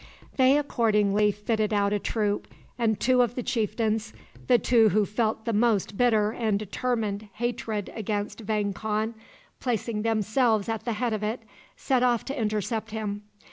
They accordingly fitted out a troop, and two of the chieftains the two who felt the most bitter and determined hatred against Vang Khan placing themselves at the head of it, set off to intercept him.